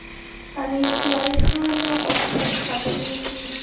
امیر شېرعلي خان نه غوښتل خبرې وکړي.